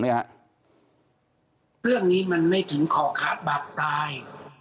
เรื่องนี้มันไม่ถึงขอขาดบาปตาย